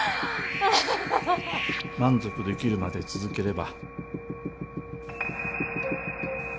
満足できるまで続ければ？